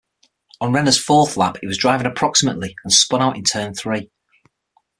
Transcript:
On Renna's fourth lap he was driving approximately and spun out in turn three.